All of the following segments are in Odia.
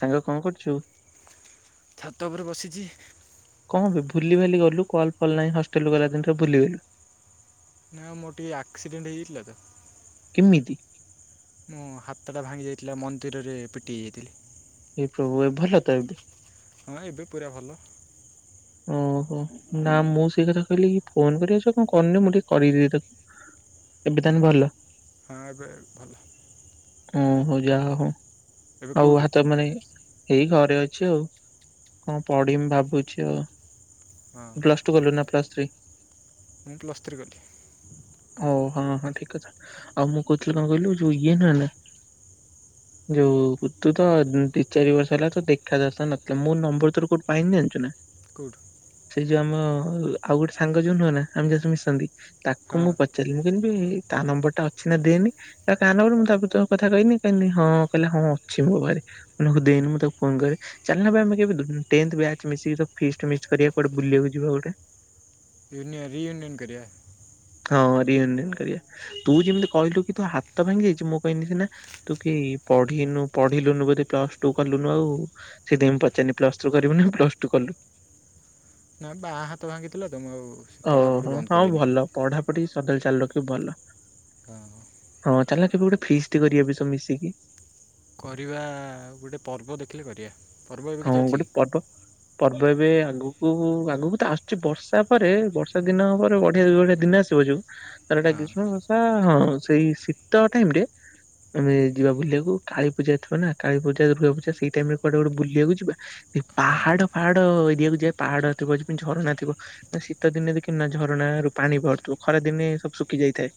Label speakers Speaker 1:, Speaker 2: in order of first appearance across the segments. Speaker 1: ସାଙ୍ଗ କଣ କରୁଛୁ?
Speaker 2: ଛାତ ଉପରେ ବସିଛି।
Speaker 1: ହଁ ଭୁଲି ଭାଲି ଗଲୁ କଲ ଫଲ ନାଁ ହଷ୍ଟେଲ ଗଲା ଦିନରେ ଭୁଲିଗଲୁ।
Speaker 2: ନା ମୋର ଟିକେ ଆକ୍ସିଡେଣ୍ଟ ହେଇଯାଇଥିଲା ତ
Speaker 1: କେମିତି?
Speaker 2: ମୁଁ ହାତଟା ଭାଙ୍ଗି ଯାଇଥିଲା ମନ୍ଦିରରେ ପିଟିଇ ଯାଇଥିଲି
Speaker 1: ଏଇ ପ୍ରଭୁ ଏ ଭଲ ତ ଏବେ?
Speaker 2: ହଁ ଏବେ ପୁରା ଭଲ।
Speaker 1: ଓହୋ ନା ମୁଁ ସେଇ କଥା କହିଲି କି ଫୋନ କରି ଆଛ କଣ କନି ମୁଁ ଟିକେ କରିଦେବି ତାକୁ ଏବେ ତାନେ ଭଲ।
Speaker 2: ହଁ ଏବେ ଭଲ।
Speaker 1: ଓ ହଉ ଯାହା ହଉ
Speaker 2: ଏବେ
Speaker 1: ଆଉ
Speaker 2: କେଉଁଠି
Speaker 1: ତ ମାନେ ଏଇ ଘରେ ଅଛି ଆଉ କଣ ପଢିମି ଭାବୁଛି ଆଉ।
Speaker 2: ହଁ
Speaker 1: ପ୍ଲସ ଟୁ କଲୁ ନା ପ୍ଲସ୍ ଥ୍ରୀ?
Speaker 2: ମୁଁ ପ୍ଲସ୍ ଥ୍ରୀ ଗଲି।
Speaker 1: ଓ ହଁ ହଁ ଠିକ ଅଥା ଆଉ ମୁଁ କହୁଥିଲି କଣ କହିଲୁ ଯୋଉ ଇଏ ନହେଲେ ଯୋଉ ତୁ ତ ଦି ଚାରି ବର୍ଷ ହେଲା ତ ଦେଖା ଦରଶା ନଥିଲା ମୁଁ ନମ୍ବର ତୋର କୋଉଠି ପାଇନି ଜାଣିଛୁ ନା
Speaker 2: କେଉଁଠୁ
Speaker 1: ସେ ଯୋଉ ଆମ ଆଉ ଗୋଟେ ସାଙ୍ଗ ଯୋଉ ନୁହ ନା ଆମେ ମିଶନ୍ତି। ତାକୁ
Speaker 2: ହଁ
Speaker 1: ମୁଁ ପଚାରିଲି ମୁି କହିଲି ତା ନମ୍ବର ଟା ଅଛି ନା ଦେନି କଇଲା କା ନମ୍ବର ମୁଁ ତା ପରେ ତୋ କଥା କଇନି କଇନି କହିଲା ହଁ ଅଛି ମୋ ପାଖରେ। ମୁଁ ଆଗ ଦେଏନି ମୁଁ ତାକୁ ଫୋନ କରେ ଚାଲୁନ ବେ ଆମେ କେବେ ଟେନ୍ଥ ବ୍ୟାଚ୍ ମିଶିକି ସବୁ ଫିଷ୍ଟ୍। ଷ୍ଟ ମିଷ୍ଟ କରିବା କୁଆଡେ ବୁଲିବାକୁ ଯିବା ଗୋଟେ।
Speaker 2: ଯୁନିୟନ ରିୟୁନିୟନ କରିଆ।
Speaker 1: ହଁ ରିୟୁନିଅନ କରିବା ତୁ ଯେମିତି କହିଲୁ କି ତୋ ହାତ ଭାଙ୍ଗି ଯାଇଛି ମୁଁ କହନି ସିନା ତୁ କି। ପଢ଼ିନୁ ପଢିଲୁନୁ ବୋଧେ ପ୍ଲସ ଟୁ କଲୁନୁ ଆଉ ସେଇଥୀ ପାଇଁ ପଚାରନି ପ୍ଲସୁ କରିବୁ ନା ପ୍ଲସ ଟୁ କଲୁ।
Speaker 2: ନା ବାଆଁ ହାତ ଭାଙ୍ଗିଥିଲା ତ। ମୁଁ ଆଉ ପଢ଼ାପଢ଼ି
Speaker 1: ଓହୋ
Speaker 2: ବନ୍ଦ
Speaker 1: ହଁ
Speaker 2: କଲିନି
Speaker 1: ଭଲ ପଢାପଢି ସଦାବେଳେ ଚାଲୁ ରଖିବୁ ଭଲ।
Speaker 2: ହଁ।
Speaker 1: ଚାଲୁନା କେବେ ଗୋଟେ ଫିସ୍ଟି କରିବା ବେ ସବୁ ମିଶିକି।
Speaker 2: କରିବା ଗୋଟେ ପର୍ବ ଦେଖିଲେ କରିବା। ପର୍ବ ଏବେ
Speaker 1: ହଁ
Speaker 2: କିଛି ଅଛି
Speaker 1: ଗୋଟେ
Speaker 2: କି
Speaker 1: ପର୍ବ ପର୍ବ। ବ ଏବେ ଆଗକୁ ଆଗକୁ ତ ଆସୁଛି ବର୍ଷା ପରେ ବର୍ଷା ଦିନ ପରେ ବଢ଼ିଆ ଯୋଉ ଗୋଟେ ଦିନ ଆସିବ ଯୋଉ। ଆର ଟା
Speaker 2: ହଁ
Speaker 1: ଗ୍ରୀଷ୍ମ ବର୍ଷା ହଁ ସେଇ ଶୀତ ଟାଇମ ରେ। ଆମେ ଯିବା ବୁଲିବାକୁ କାଳୀ ପୂଜା ଥିବା ନା କାଳୀ ପୂଜା ଦୁର୍ଗା ପୂଜା ସେଇ ଟାଇମ ରେ କୁଆଡେ ଗୋଟେ ବୁଲି। ବୁଲିଆକୁ ଯିବା ଏ
Speaker 2: ହଁ
Speaker 1: ପାହାଡ ଫାହାଡ ଏରିଆ କୁ ଯିବା ପାହାଡ ଥିବ ଯେମତି ଝରଣା ଥିବ ନା ଶୀତ ଦିନେ। ନେ ଦେଖୁନୁ ନା ଝରଣା ରୁ ପାଣି ବାହାରୁଥିବ ଖରା ଦିନେ ସବୁ ଶୁଖି ଯାଇଥାଏ।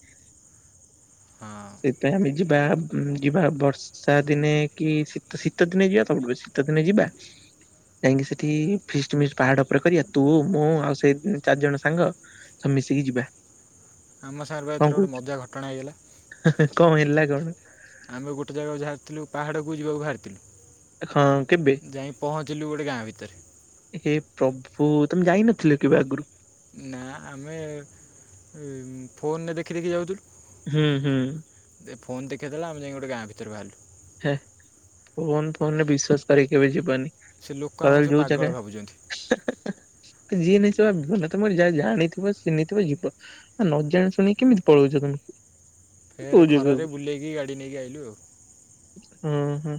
Speaker 2: ହଁ।
Speaker 1: ସେଇଥୀ ପାଇଁ ଆମେ ଯିବା ବ ଯିବା ବର୍ଷା ଦିନେ କି ଶୀତ, ଶୀତ ଦିନେ ଯିବା ସବୁଠୁ ବେଶୀ। ସି ଦିନେ ଯିବା। ଯାଇକି ସେଠି ଫିଷ୍ଟ ମିଷ୍ଟ୍ ପାହାଡ ଉପରେ କରିବା ତୁ ମୁଁ ଆଉ ସେଇ ଚାରି ଜଣ ସାଙ୍ଗ। ସବୁ ମିଶିକି ଯିବା।
Speaker 2: ଆମ ସାଙ୍ଗରେ ବା
Speaker 1: କଣ
Speaker 2: ଏଥିର ଗୋଟେ
Speaker 1: କହୁଛୁ
Speaker 2: ମଜା ଘଟଣା ହେଇଗଲା।
Speaker 1: କଣ ହେଲା କଣ।
Speaker 2: ଆମେ ଗୋଟେ ଜାଗା କୁ ଜାହାରିଥିଲୁ ପାହାଡ଼କୁ ଯିବାକୁ ବାହାରିଥିଲୁ।
Speaker 1: ହଁ। କେବେ
Speaker 2: ଯାଇଁ ପହଞ୍ଚିଲୁ ଗୋଟେ ଗାଁ ଭିତରେ।
Speaker 1: ହେ ପ୍ରଭୁ ତମେ ଯାଇ ନଥିଲ କେବେ ଆଗରୁ।
Speaker 2: ନା ଆମେ ଏ -ମ ଫୋନରେ ଦେଖି ଦେଖି ଯାଉଥିଲୁ।
Speaker 1: ହୁଁ ହୁଁ।
Speaker 2: ଦେ ଫୋନ ଦେଖେଇ ଦେଲା ଆମେ ଯାଇ ଗୋଟ ଗାଁ ଭିତରେ ବାହାରିଲୁ।
Speaker 1: ହେ ଫୋନ୍ ଫୋନ ରେ ବିଶ୍ଵାସ କରି କେବେ ଯିବନି।
Speaker 2: ସେ ଲୋକ ଆମକୁ
Speaker 1: କରଲ
Speaker 2: ସବୁ
Speaker 1: ଯୋଉ
Speaker 2: ପାଗଳ
Speaker 1: ଚାକା।
Speaker 2: ଭାବୁଛନ୍ତି
Speaker 1: ଯିଏ ନାଇ ସେ ବା ତମେ ଗୋଟେ ଯା ଜାଣିଥିବ ଚିିନିଥିବ ଯିବ ଆଉ ନ ଜାଣି ଶୁଣିକି କେମିତି ପଳଉଛ ତମେ।
Speaker 2: ଫେର୍
Speaker 1: କୋଉ ଜାଗାକୁ
Speaker 2: ଖରାରେ ବୁଲେଇକି ଗାଡ଼ି ନେଇକି ଆଇଲୁ ଆଉ।
Speaker 1: ହୁଁ ହୁଁ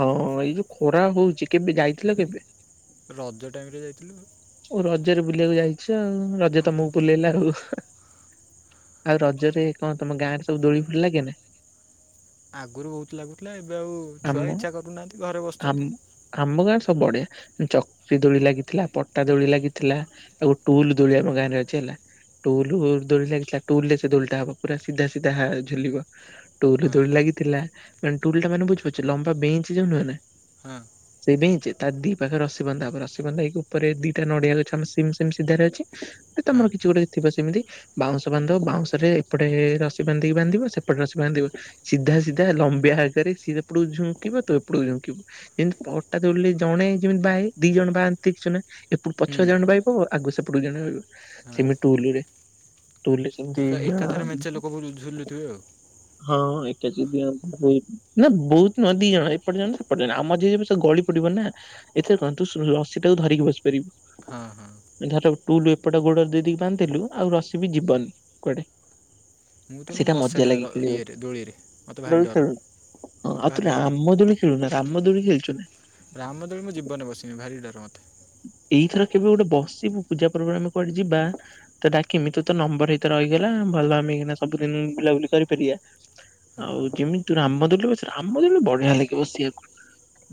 Speaker 1: ହଁ ଏଇ ଯୋଉ ଖରା ହଉଛି କେବେ ଯାଇଥିଲ କେବେ?
Speaker 2: ରଜ ଟାଇମ ରେ ଯାଇଥିଲୁ।
Speaker 1: ଓ ରଜରେ ବୁଲିବାକୁ ଯାଇଛ ଆଉ ରଜ ତମକୁ ବୁଲେଇଲା ଆଉ। ଆଉ ରଜରେ କଣ ତମ ଗାଁରେ ସବୁ ଦୋଳି ଫୋଳି ଲାଗେ ନା।
Speaker 2: ଆଗରୁ ବହୁତ ଲାଗୁଥିଲା ଏବେ ଆଉ ଛୁଆ
Speaker 1: ଆମ
Speaker 2: ଇଚ୍ଛା କରୁନାହାନ୍ତି ଘରେ
Speaker 1: ଆମ
Speaker 2: ବସୁଛନ୍ତି।
Speaker 1: ଆମ ଗାଁରେ ବଢିଆ ଚକ୍ରି ଦୋଳି ଲାଗିଥିଲା ପଟା ଦୋଳି ଲାଗିଥିଲା ଆଉ ଟୁଲ ଦୋଳି ଆମ ଗାଁରେ ଅଛି ହେଲା। ଟୁଲୁ ଦୋଳି ଲାଗିଥିଲା ଟୁଲ ରେ ସେ ଦୋଳିଟା ହବ ପୁରା ସିଧା ସିଧା ଝୁଲିବ ଟୁଲ
Speaker 2: ହଁ
Speaker 1: ଦୋଳି ଲାଗି। ଥିଲା ମାନେ ଟୁଲ ଟା ମାନେ ବୁଝି ପାରୁଛ ଲମ୍ବା ବେଞ୍ଚ ଯୋଉ ନୁହଁ ନା।
Speaker 2: ହଁ
Speaker 1: ସେଇ ଟା ହିଁ ଯେ ତା ଦି ପାଖରେ ରସି ବନ୍ଧା ହବ ରସିବନ୍ଧା ହେଇକି ଉପରେ ଦିଇଟା ନଡିଆ ଗଛ ଆମ ସେମ ସେମ ସିଧାରେ ଅଛି।
Speaker 2: ହଁ
Speaker 1: ତମର କିଛି ଗୋଟେ ଥିବ ସେମିତି ବାଉଁଶ ବାନ୍ଧ ବାଉଁଶ ରେ ଏପଟେ ରସି ବାନ୍ଧିକି ବାନ୍ଧିବ ସେ। ସେପଟେ ରସି ବାନ୍ଧିବ ସିଦ୍ଧା। ସିଧା ଲମ୍ବିଆ ଆକାରେ ସିଏ ସେପଟକୁ ଝୁଙ୍କକିବ ତୁ ଏପଟକୁ ଝୁଙ୍କିବୁ ଯେମିତି ପଟା ଦୋଳି ରେ ଜଣେ ଯେମିତି। ବାଏ ଦି ଜଣ ବାଆ ନ୍ତି ଦେଖୁଚୁ ନା। ଏପଟୁ
Speaker 2: ହୁଁ
Speaker 1: ପଛୁଆ ଜଣେ ବାଇବ ଆଗୁ ସେପଟୁ ଜଣେ ବାଇବ
Speaker 2: ହଁ
Speaker 1: ସେମିତି ଟୁଲ ରେ। ଟୁଲ ରେ ସେମିତି
Speaker 2: ଏକା
Speaker 1: ଦିଅଣ
Speaker 2: ଏକାଥରେ ମେଞ୍ଚେ ଲୋକ ଝୁଲୁଥିବେ
Speaker 1: ହଁ ଏ। ନା ବହୁତ ନୁହଁ ଦି ଜଣ ଏପଟେ ଜଣେ ସେପଟେ ଆଉ ମଝିରେ ବି ସବୁ ଗଳି ପଡିବ ନା। ଏଥିରେ କଣ ତୁ ରଶୀଟାକୁ ଧରିକି
Speaker 2: ଆଉ ହଁ ହଁ
Speaker 1: ବସିପାରିବୁ। ଧର ଟୁଲୁ ଏପଟେ ଗୋଡରେ ଦେଇ ଦେଇକି ବାନ୍ଧି ଦେଲୁ ଆଉ ରସିି ବି ଯିବନି କୁଆଡେ।
Speaker 2: ମୁଁ ତ ମୁଁ
Speaker 1: ସେଇଟା ମଜା
Speaker 2: ବସେନା
Speaker 1: ଲାଗେ ଖେଳିବାକୁ
Speaker 2: ଇଏରେ ଦୋଳିରେ। ମୋତେ ଭାରି
Speaker 1: ଦୋଳି
Speaker 2: ଡର
Speaker 1: ଖେଳୁନୁ।
Speaker 2: ମୋତେ
Speaker 1: ଆଉ
Speaker 2: ଭାରି
Speaker 1: ତୁ
Speaker 2: ଡର
Speaker 1: ରାମ ଦୋଳି ଖେଳୁ ନା ରାମ ଦୋଳି ଖେଳିଛୁ ନା?
Speaker 2: ରାମଦୋଳି ମୁଁ ଜୀବନରେ ବସିିବି ଭାରି ଡର ମୋତେ।
Speaker 1: ଏଇଥର କେବେ ଗୋଟେ ବସିବୁ ପୂଜା ପ୍ରୋଗ୍ରାମରେ ଆମେ କୁଆଡେ ଯିବା। ତତେ ଡାକମି ତୋ ତ ନମ୍ବର ହେଇତ ରହିଗଲା। ଭଲ ଆମେ ଏଇକିନା ସବୁଦିନ ବୁଲାବୁଲି କରିପାରିଆ। ଆଉ
Speaker 2: ହଁ
Speaker 1: ଯେମିତି ତୁ ରାମଦୋଳିରେ ବସି ରାମଦୋ ବଢିଆ ଲାଗିବ ବସିଆକୁ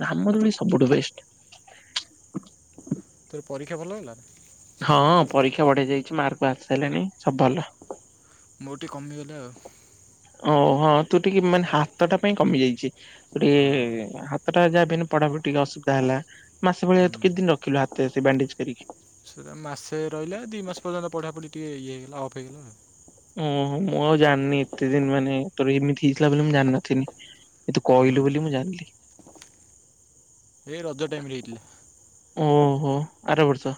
Speaker 1: ରାମ ଦୋଳି ସବୁଠୁ ବେଷ୍ଟ।
Speaker 2: [inaudible] ତୋର ପରୀକ୍ଷା ଭଲ ହେଲା?
Speaker 1: ହଁ ପରୀକ୍ଷା ବଢ଼ିଆ ଯାଇଛି ମାର୍କ ଆସି ସାଇଲାଣି ସବୁ ଭଲ।
Speaker 2: ଗୋଟିଏ କମିଗଲା ଆଉ।
Speaker 1: ଓହଁ ତୁ ଟିକେ ମାନେ ହାତଟା ପାଇଁ କମି ଯାଇଛି ତୁ
Speaker 2: ହଁ
Speaker 1: ଟିକେ ହାତ ପା ଯାହାବି ହେଲେ ପଢାପଢି ଟିକେ ଅସୁବିଧା ହେଲା ମାସ ଭଳିଆ ତୁ
Speaker 2: ହୁଁ
Speaker 1: କେତେ ଦିନ ରଖିଲୁ ହାତ ସେ ବାଣ୍ଡେଜ କରିକି?
Speaker 2: ସେଟା ମାସେ ରହିଲା ଦି ମାସ ପର୍ଯ୍ୟନ୍ତ ପଢାପଢି ଟିକେ ଇଏ ହେଇଗଲା ଅଫ୍ ହେଇଗଲା ଆଉ।
Speaker 1: ଓହୋ ମୁଁ ଆଉ ଜାଣିନି ଏତେ ଦିନ ମାନେ ତୋର ଏମିତି ହେଇଥିଲା ବୋଲି ମୁଁ ଜାଣିନଥିଲି। ଏ ତୁ କହିଲୁ
Speaker 2: ଆଉ
Speaker 1: ବୋଲି ମୁଁ ଜାଣିଲି।
Speaker 2: ଏ ରଜ ଟାଇମରେ ହେଇଥିଲା।
Speaker 1: ଓ ହୋ ଆରବର୍ଷ।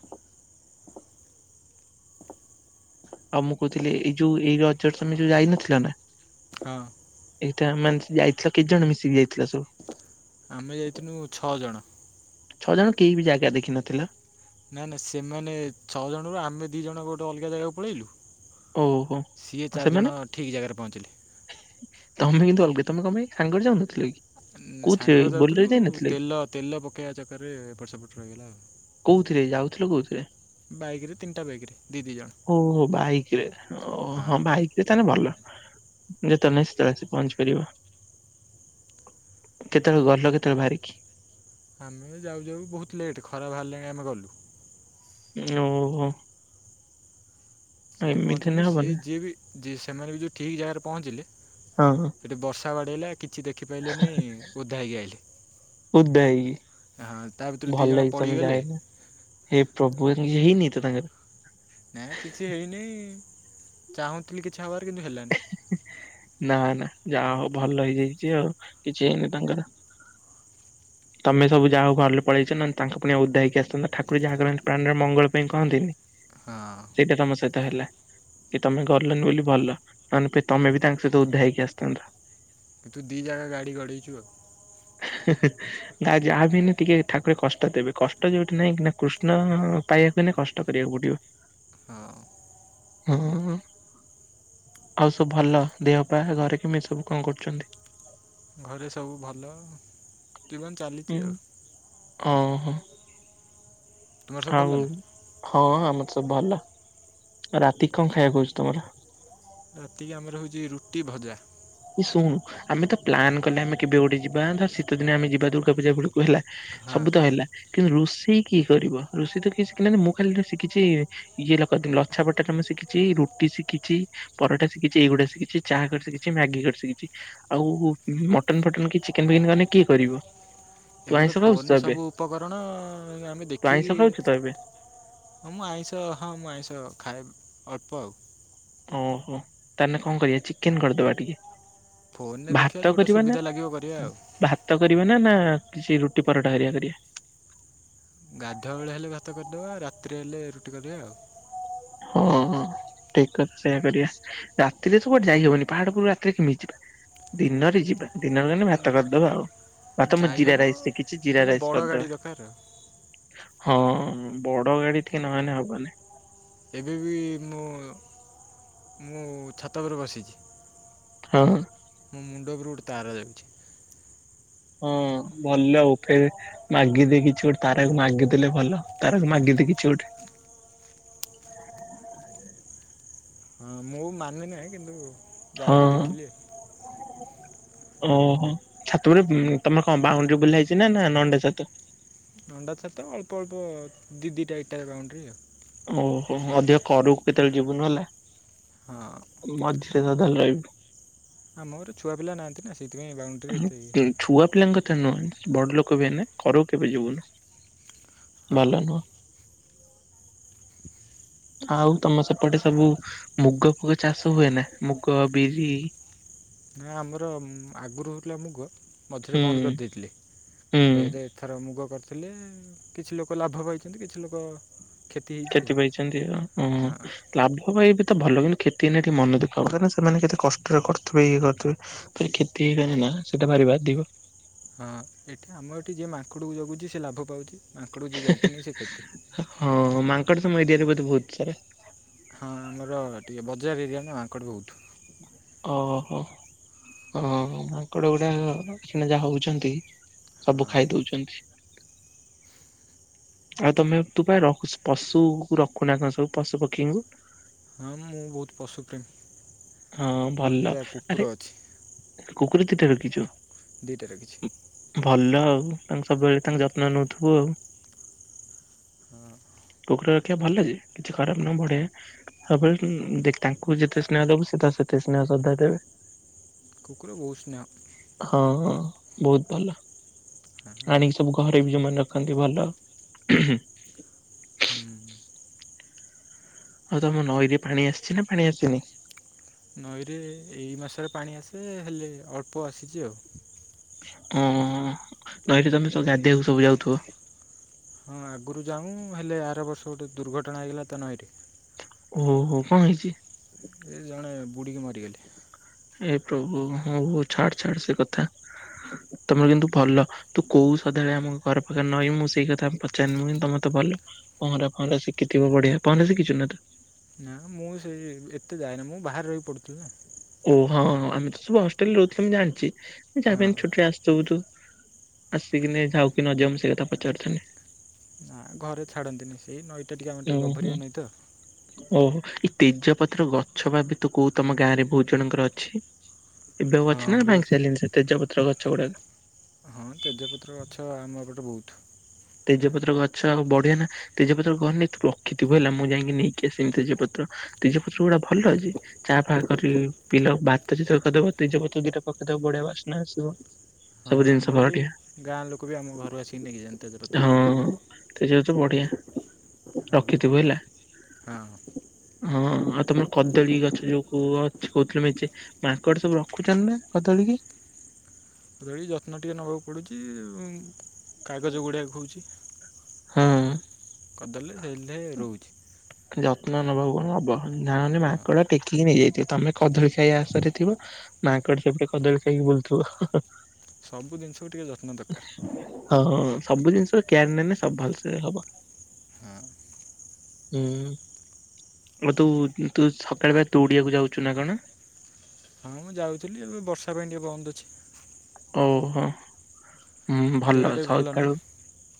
Speaker 1: ଆଉ ମୁଁ କହୁଥିଲି ଏଇ ଯୋଉ ଏଇ ରଜରେ ତମେ ଯୋଉ ଯାଇନଥିଲ ନା।
Speaker 2: ହଁ।
Speaker 1: ଏଇଟା ମାନେ ସେ ଯାଇଥିଲ, କେତେ ଜଣ ମିଶିକି ଯାଇଥିଲ ସବୁ?
Speaker 2: ଆମେ ଯାଇଥିଲୁ ଛଅ ଜଣ।
Speaker 1: ଛଅ ଜଣ କେହି ବି ଜାଗା ଦେଖିନଥିଲ।
Speaker 2: ନା ନା ସେମାନେ ଛଅ ଜଣରୁ ଆମେ ଦି ଜଣଙ୍କ ଗୋଟେ ଅଲଗା ଜାଗାକୁ ପଳେଇଲୁ।
Speaker 1: ଓହୋ
Speaker 2: ସିଏ
Speaker 1: ଆଉ ସେମାନେ
Speaker 2: ଚାରିଜଣ ଠିକ୍ ଜାଗାରେ ପହଞ୍ଚିଲେ।
Speaker 1: ତମେ କିନ୍ତୁ ଅଲଗା ତମେ କଣ ପାଇଁ ସାଙ୍ଗରେ ଯାଉନଥିଲ କି? କୋଉଥିରେ
Speaker 2: ସାଙ୍ଗରେ
Speaker 1: ବୋଲେରୋ
Speaker 2: ଯାଉଥିଲୁ
Speaker 1: ଯାଇନଥିଲେ କି?
Speaker 2: ତେଲ ତେଲ ପକାଇବା ଚକରେ ଏପଟ ସେପଟ ରହିଗଲା ଆଉ।
Speaker 1: କୋଉଥିରେ ଯାଉଥିଲ କୋଉଥିରେ?
Speaker 2: ବାଇକରେ ତିିନିଟା ବାଇକରେ
Speaker 1: ଓ ହୋ ବାଇକରେ ଓ ହଁ ବାଇକ ରେ ତାହେଲେ ଭଲ। ଯେତେବେଳେ ନାହିଁ ସେତେବେଳେ ଆସି ପହଞ୍ଚି ପାରିବ। କେତେବେଳେ ଗଲ କେତେବେଳେ ଭାରିକିି?
Speaker 2: ଆମେ ଯାଉ ଯାଉ ବହୁତ ଲେଟ୍ ଖରା ବାହାରିଲାଣି ଆମେ ଗଲୁ।
Speaker 1: ଓ ହୋ।
Speaker 2: ସେଠି ପହଞ୍ଚିଲୁ ସିଏ
Speaker 1: ନା
Speaker 2: ଯିଏ ବି ଯିଏ ସେମାନେ ବି ଯେଉଁ ଠିକ୍ ଜାଗାରେ ପହଞ୍ଚିଲେ
Speaker 1: ହଁ
Speaker 2: ସେଠି ବର୍ଷା ବା କିଛି ଦେଖିପାଇଲେ ନାହିଁ ଓଧା ହେଇକି ଆଇଲେ।
Speaker 1: ଓଦା
Speaker 2: ହଁ ତା
Speaker 1: ହେଇକି
Speaker 2: ଭିତରୁ ଦୁଇ
Speaker 1: ଭଲ
Speaker 2: ଜଣ
Speaker 1: ହେଇଛି ତମେ
Speaker 2: ପଡ଼ିଗଲେ
Speaker 1: ଯାଇନ। [unintelligible] ହେଇନି ତ ତାଙ୍କର।
Speaker 2: ନା କିଛି ହେଇନି ଚାହୁଁଥିଲି କିଛି ହେବାର କିନ୍ତୁ ହେଲାନି।
Speaker 1: ନା ନା ଯାହା ହଉ ଭଲ ହେଇଯାଇଛି ଆଉ କିଛି ହେଇନି ତାଙ୍କର
Speaker 2: [inaudible]
Speaker 1: ତମେ ସବୁ ଯାହା ହଉ ଭଲରେ ପଳେଇ ଆଇଛ ନା ତାଙ୍କ ପୁଣି ଓଦା ହେଇକି ଆସିଥାନ୍ତ ଠାକୁର ଯାହା କରନ୍ତି ପ୍ରାଣୀର ମଙ୍ଗଳ ପାଇଁ କରନ୍ତିନି।
Speaker 2: ହଁ
Speaker 1: ସେଇଟା ତମ ସହିତ ହେଲା କି ତମେ ଗଲନି ବୋଲି ଭଲ। ମାନେ ତମେ ବି ତାଙ୍କ ସହିତ ଓଦା ହେଇକି ଆସିଥାନ୍ତ।
Speaker 2: କିନ୍ତୁ ଦି ଜାଗା ଗାଡି ଗଡେଇଛୁ ଆଉ।
Speaker 1: ନା ଯାହା ବି ହେଲେ ଟିକେ ଠାକୁର କଷ୍ଟ ଦେବେ କଷ୍ଟ ଯୋଉଠି ନାହିଁ ନା କୃଷ୍ଣ ପାଇ ପାଇଆକୁ ହେଲେ କଷ୍ଟ କରିବାକୁ ପଡିବ।
Speaker 2: ହଁ।
Speaker 1: ହଁହଁ। ଆଉ ସବୁ ଭଲ ଦେହପ ଘରେ କିମି ସବୁ କଣ କରୁଛନ୍ତି?
Speaker 2: ଘରେ ସବୁ ଭଲ ଜୀବନ ଚାଲିଛି ଆଉ।
Speaker 1: ଓହୋ।
Speaker 2: ତୁମର ସବୁ ଭଲ
Speaker 1: ଆଉ
Speaker 2: ନା
Speaker 1: ହଁ। ମତେ ଭଲ ରାତି କଣ ଖାଇବାକୁ କହୁଛି ତମର?
Speaker 2: ରାତିକି ଆମର ହଉଛି ରୁଟି ଭଜା।
Speaker 1: ଶୁଣୁ ଆମେ ତ ପ୍ନ୍ କଲେ ଆମେ କେବେ ଗୋଟେ ଯିବା ଧ ଶୀତ ଦିନ ଆମେ ଯିବା ଦୁର୍ଗା ପୂଜା ବେଳକୁ ହେଲା।
Speaker 2: ହଁ
Speaker 1: ସବୁ ତ ହେଲା କିନ୍ତୁ ରୋଷେଇ କିଏ କରିବ ରୋଷେଇ ତ କି ଶିଖିଲ ମୁଁ ଖାଲି କିଛି ଇଏ ଲ କ ଲଛା [unintelligible] ମୁଁ ଶିଖିଛି ରୁଟି ଶିକିଛି ପରଟା ଶିଖିଛି ଏଇଗୁଡ଼ା ଶିଖିଛି ଚାହା ଶିଖିଛି। ମ୍ୟାଗି କରିସିଖିଛି ଆଉ ମଟନ ଫଟନ କି ଚିକେନ ଫିକେନ କଲେ କିଏ କରିବ? ତୁ
Speaker 2: ଏବେ ତ
Speaker 1: ଆଇଁଷ ଖାଉଛୁ
Speaker 2: ଫୋନ
Speaker 1: ଏବେ?
Speaker 2: ସବୁ ଉପକରଣ ଆମେ
Speaker 1: ତୁ ଆଇଁଷ
Speaker 2: ଦେଖିକି
Speaker 1: ଖାଉଛୁ ତ ଏବେ
Speaker 2: ହଁ ମୁଁ ଆଇଁଷ ହଁ ମୁଁ ଆଇଁଷ ଖାଇଏ ଅଳ୍ପ ଆଉ।
Speaker 1: ଓହୋ ତାହେଲେ କଣ କରିବା ଚିକେନ କରିଦବା ଟିକେ
Speaker 2: ଫୋନ୍ରେ ଦେଖିବା
Speaker 1: ଭାତ
Speaker 2: ଯେଉଁଟା
Speaker 1: କରିବ ନା
Speaker 2: ସୁବିଧା ଲାଗିବ କରିବା ଆଉ
Speaker 1: ଭାତ କରିବ ନା ନା ନା ରୁଟି ପରଠା ହାରିଆ କରିବା।
Speaker 2: ଗାଧୁଆ ବେଳେ ହେଲେ ଭାତ କରିନେବା ରାତିରେ ହେଲେ ରୁଟି କରିନେବା ଆଉ।
Speaker 1: ଓହୋଃ। ଠିକ କଥା ସେୟା କରିବା ରାତିରେ ତୁ କୁଆଡେ ଯାଇହବନି ପାହାଡ ପରୁ ରାତିରେ କେମିତି ଯିବା। ଦିନରେ ଯିବା ଦିନ ବେଳେ ହେଲେ ଭାତ କରିଦବା ଆଉ। ହ ତ ମୁଁ
Speaker 2: ଯାଇ
Speaker 1: ଜିରା
Speaker 2: ହେବ
Speaker 1: ରାଇସ୍ ଦେଖିଛି ଜିରା
Speaker 2: ହେଲେ
Speaker 1: ରାଇସ୍
Speaker 2: ବଡ଼ ଗାଡ଼ି ଦରକାର ଆଉ
Speaker 1: କରିଦବା ହଁ। ବଡ ଗାଡିି ଟିକି ନହେନେ ହବନି।
Speaker 2: ଏବେ ବି ମୁଁ ମୁଁ ଛାତ ଉପରେ ବସିଛି।
Speaker 1: ହଁ।
Speaker 2: ମୋ ମୁଣ୍ଡ ଉପରେ ଗୋଟେ ତାର ଯାଉଛି।
Speaker 1: ହଁ ଭଲ ଆଉ ଫେର ମାଗି ଦେଇ କିଛି ଗୋଟେ ତାରାକୁ ମାଗିଦେଲେ ଭଲ ତାରାକୁ ମାଗି- ଏତି କିଛି ଗୋ।
Speaker 2: [unintelligible] ହଁ ମୁଁ ମାନିବି ନାହିଁ କିନ୍ତୁ
Speaker 1: ହଁ।
Speaker 2: ଯାଉଛି ଦେଖିଲି।
Speaker 1: ଓହୋ ଛାତ ଗୋଟେ ତମର କଣ ବାଉଣ୍ଡ୍ରୀ ବୁଲା ହେଇଛି ନା ନା ନଣ୍ଡା ଛାତ।
Speaker 2: ନଣ୍ଡା ଛାତ ତ ଅଳ୍ପ ଅଳ୍ପ ଦି ଦିଟା ଏଟା ବାଉଣ୍ଡି ଆଉ।
Speaker 1: ଓହୋ ମଧ୍ୟ ଘରକୁ କେତେବେଳେ ଯିବୁ ନ ହେଲେ।
Speaker 2: ହଁ।
Speaker 1: କେଦିନ ଚାଲି ଆଇବୁ।
Speaker 2: ଆ ମୋର ଛୁଆ ପିଲା ନାହାନ୍ତି ନା। ସେଇଥିପାଇଁ ବାଉଣ୍ଡ୍ରି ଏତେ ଇଏ।
Speaker 1: ଛୁଆ ପିଲାଙ୍କ କଥା ନୁହେଁ ବଡ ଲୋକ ବି ଏ କର କେବେ ଯିବୁନି।
Speaker 2: ହଁ
Speaker 1: ଭଲ ନୁହଁ। ଆଉ ତମ ସେପଟେ ସବୁ ମୁଗ ଫୁଗ ଚାଷ ହୁଏ ନା ମୁଗ ବିରି?
Speaker 2: ନା ଆମର ଆଗରୁ ହେଉଥିଲା ମୁଗ, ମଝିରେ
Speaker 1: ହୁଁ
Speaker 2: ବନ୍ଦ କରିଦେଇଥିଲି।
Speaker 1: ହୁଁ
Speaker 2: ଫେରେ ଏଥର ମୁଗ କରିଥିଲେ କିଛି ଲୋକ ଲାଭ ପାଇଛନ୍ତି କିଛି ଲୋକ ହେଇଛି ଆଉ
Speaker 1: କ୍ଷତି ପାଇଛନ୍ତି ଆଉ ଉ ଉ
Speaker 2: ହଁ
Speaker 1: ଲାଭ ପାଇ ଭଲ କିନ୍ତୁ କ୍ଷତି ହେ ଟିକ ମନ ଦୁଃଖ ହୁଏ କାହିଁକି ସେମାନେ କେତେ କଷ୍ଟରେ କରଥିବ ଇଏ କରୁଥିବେ କ୍ଷତି ନା ସେଇଟା ଭାରି ବାଧିବ। ହ
Speaker 2: ହଁ! ଏଠି ଆମ ଏଠି ଯିଏ ମାଙ୍କଡକୁ ଜଗୁଛି ସେ ଲାଭ ପାଉଛି। ମାଙ୍କଡକୁ ଯେ ଯଗୁନି ସେ କ୍ଷତି।
Speaker 1: କଟ ତମ ଏରିଆରେ ବୋଧେ ବହୁତ ସାରା
Speaker 2: ହଁ ଆମର ଟିକେ ବଜାର ଏରିଆ ନା ମାଙ୍କଡ ବହୁତ।
Speaker 1: ଓହୋ! ହଁ ମାଙ୍କଡ ଗୁଡାକ ଯାହା ହଉଛନ୍ତି ସବୁ
Speaker 2: ହଁ
Speaker 1: ଖାଇ ଦଉଛନ୍ତି।
Speaker 2: [unintelligible]
Speaker 1: ଆଉ ତୁମେ ତୁ ପା ରଖୁ ପଶୁକୁ ରଖୁନା କଣ ସବୁ ପଶୁ ପକ୍ଷୀଙ୍କୁ?
Speaker 2: ହଁ ମୁଁ ବହୁତ ପଶୁପ୍ରେମୀ।
Speaker 1: ହଁ
Speaker 2: ମୋର
Speaker 1: ଭଲ।
Speaker 2: ଦୁଇଟା କୁକୁର
Speaker 1: ଆରେ
Speaker 2: ଅଛି
Speaker 1: କୁକୁର କିତିଟା ରଖିଛୁ?
Speaker 2: ଦୁଇଟା ରଖିଛି।
Speaker 1: ଆଉ ଭଲ ତାଙ୍କ ସବୁବେଳେ ତାଙ୍କ ଯତ୍ନ ନଉଥିବୁ ଆଉ। କୁକୁର ରଖିଆ ଭଲ ଯେ କିଛି ଖରାପ ନୁହଁ ବଢଆ। ସବୁବେଳେ ଦେଖ ତାଙ୍କୁ ଯେତେ ସ୍ନେହ ଦବୁ ତ ସେତେ ସ୍ନେହ ଶ୍ରଦ୍ଧା ଦେବେ।
Speaker 2: କୁକୁର ବହୁତ ସ୍ନେହ।
Speaker 1: ହଁ ହଁ ବହୁତ ଭଲ। ଆଣିକି ସବୁ ଘରେ ବି ଯୋଉମାନେ ରଖନ୍ତି ଭଲ।
Speaker 2: ହୁଁ।
Speaker 1: ହଉ ତମ ନଈରେ ପାଣି ଆସିଛି ନା ପାଣି ଆସିନି?
Speaker 2: ନଈରେ ଏଇ ମାସରେ ପାଣି ଆସେ, ହେଲେ ଅଳ୍ପ ଆସିଛି ଆଉ।
Speaker 1: ଉମ୍ ନଈରେ ତମେ ସବୁ ଗାଧେଇବାକୁ ସବୁ ଯାଉଥବ?
Speaker 2: ହଁ ଆଗରୁ ଯାଉଁ ହେଲେ ଆର ବର୍ଷ ଗୋଟେ ଦୁର୍ଘଟଣା ହେଇଗଲା ତ ନଈରେ।
Speaker 1: ଓହୋ। କଣ ହେଇଚି?
Speaker 2: ଏ ବୁଡ଼ିିକି ମରିଗଲେ।
Speaker 1: ଏ ପ୍ରଭୁ। ହଉ ହଉ ଛାଡ ଛାଡ ସେ କଥା। ତମର କିନ୍ତୁ ଭଲ। ତୁ କୋଉ ସଦାବେଳେ ଆମ ଘର ପାଖରେ ନଈ ମୁଁ ସେଇ କଥା ପଚାରି ନୁହେଁ କିନ୍ତୁ ତମେ ତ ଭଲ ପହଁରା ପହଁରା ଶିଖିଥିବ ବଢିଆ। ପହଁରା ଶିଖିଛୁନା ତୁ?
Speaker 2: ନା ମୁଁ ସେଇ ଏତେ ଯାଏନା ମୁଁ [unintelligible]
Speaker 1: ଓ ହଁ ହଁ ଆମେ ତ ସବୁ ହଷ୍ଟେଲରେ ରହୁଥିଲୁ ମୁଁ ଜାଣିଚି। ଯାହାବି
Speaker 2: ହଁ
Speaker 1: ହେଲେ ଛୁଟିରେ ଆ ସବୁ ତୁ ଆସିକିନି ଯାଉ କି ନ ଯାଉ ସେ କଥା ପଚାରିଥାନ୍ତି।
Speaker 2: ହଁ ଘରେ ଛାଡ଼ନ୍ତିନି ସେଇ ନଈଟା ଟିକେ ଆମର ଟିକେ
Speaker 1: ଓହୋ
Speaker 2: ଗଭୀରିଆ ନଈ ତ।
Speaker 1: ଓହୋ। ଏଇ ତେଜପତ୍ର ଗଛ ବା ତୁ କଉ ତମ ଗାଁରେ ବହୁତ ଜଣଙ୍କର ଅଛି। ଏବେ ଆଉ ଅଛି
Speaker 2: ହଁ
Speaker 1: ନା
Speaker 2: ବହୁତ
Speaker 1: ଭାଙ୍ଗି ସାଇଲେଣି ସେ ତେଜପତ୍ର ଗଛ ଗୁଡାକ?
Speaker 2: ହଁ ତେଜପତ୍ର ଗଛ ଆମ ଏପଟେ ବହୁତ।
Speaker 1: ତେଜପତ୍ର ଗଛ ଆଉ ବଢେନା ତେଜପତ୍ର କହନି ତୁ ରଖିଥିବୁ ହେଲା। ମୁଁ ଯାଇଁକି ନେଇକି ଆସିମି ତେଜପତ୍ର। ତେଜପତ୍ର ଗୁଡା ଭଲ ଯେ, ଚା ଫା କରି ପିଇଲ। ଭାତ ଯେତେବେଳେ କରିଦବ ତେଜପତ୍ର ଦିଟା ପକେଇଦବ ବଢିଆ ବାସ୍ନା ଆସିବ।
Speaker 2: ହଁ
Speaker 1: ସବୁ ଜିନିଷ
Speaker 2: ଆମର ଏଠି
Speaker 1: ବଢିଆ
Speaker 2: ଗାଁ ଲୋକ ବି ଆମ ଘରୁ ଆସିକି ନେଇକି ଯାଆନ୍ତି ତେଜପ
Speaker 1: ହଁ ହଁ ତେଜପତ୍ର ବଢିଆ। ରଖିଥିବୁ ହେଲା।
Speaker 2: ହଁ ହଁ।
Speaker 1: ହଁ ଆଉ ତମର କଦଳୀ ଗଛ ଯୋଉ କୁ ଅଛି କହୁଥିଲୁ ମେଞ୍ଚେ ମାଙ୍କଡ ସବୁ ରଖୁଛନ୍ତି ନା କଦଳୀ କି?
Speaker 2: କଦଳୀ ଯତ୍ନ ଟିକେ ନବାକୁ ପଡୁଚି, ଉମ୍ କାଗଜ ଗୁଡେଇଆକୁ ହଉଛି।
Speaker 1: ହଁ।
Speaker 2: କଦଳୀରେ ହେଲେ ରହୁଛି।
Speaker 1: ଯତ୍ନ ନବାକୁ ହବ। ଯା ନହେଲେ
Speaker 2: ହଁ
Speaker 1: ମାଙ୍କଡ଼ ଟେକି କି ନେଇ ଯାଇଥିବେ। ତମେ କଦଳୀ ଖାଇବା ଆଶାରେ ଥିବ ମାଙ୍କଡ଼ ସେପଟେ କଦଳୀ ଖାଇକି ବୁଲୁଥିବ।
Speaker 2: ସବୁ ଜିନିଷକୁ ଟିକେ ଯତ୍ନ ଦରକାର।
Speaker 1: ହଁ ହଁ ସବୁ ଜିନିଷ କେୟାର ନେନେ ସବୁ ଭଲସେ ହବ। ହୁଁ। ଆଉ ତୁ ତୁ ସକାଳ ବେଳେ ଦୋଉଡିଆକୁ ଯାଉଛୁ ନା କଣ?
Speaker 2: ହଁ ମୁଁ ଯାଉଥିଲି ଏବେ ବର୍ଷା ପାଇଁ ଟିକେ ବନ୍ଦ ଅଛି।
Speaker 1: ଓହୋ ହଁ ହୁଁ
Speaker 2: ମୋ
Speaker 1: ଭଲ
Speaker 2: ଦେହଟା ବି ନାହିଁ
Speaker 1: ସକାଳୁ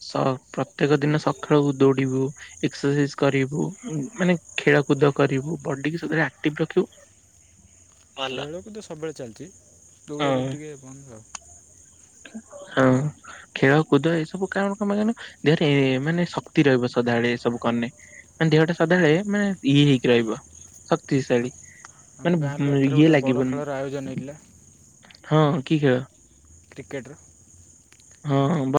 Speaker 1: ସ ପ୍ରତ୍ୟେକ ଦିନ ସଖାଳକୁ ଦୌଡିବୁ, ଏକ୍ସରସାଇଜ କରିବୁ, ମାନେ ଖେଳକୁଦ କରି ବୁ, ବଡି଼କୁ ସଦାବେଳେ ଆକ୍ଟିଭ ରଖିବୁ। ଭଲ
Speaker 2: ଖେଳକୁଦ ସବୁବେଳେ ଚାଲିଚି,
Speaker 1: ହଁ
Speaker 2: ଦୌଡ଼ା ଦୌଡି଼ ଟିକିଏ ବନ୍ଦ ଆଉ।
Speaker 1: ହଁ। ଖେଳ, କୁଦ ଏସବୁ କାରଣ କଣ ଜାଣି, ଦେହରେ ମାନେ, ଶକ୍ତି ରହିବ, ସଦା ବେଳେ କରିନେ। ମାନେ, ଦେହଟା ସଦାଳେ ମାନେ ଇଏ ହେଇକି ରହିବ।
Speaker 2: ଆଉ
Speaker 1: ଶକ୍ତିଶାଳୀ। ମାନେ
Speaker 2: ଆମ ଗାଁ ରୁ ଏଥର
Speaker 1: ଇଏ
Speaker 2: ଗୋଟେ ବଡ଼
Speaker 1: ଲାଗିବନି।
Speaker 2: ଖେଳର ଆୟୋଜନ ହେଇଥିଲା।
Speaker 1: ହଁ। କି ଖେଳ?
Speaker 2: କ୍ରିକେଟର।
Speaker 1: ହଁ ହବ।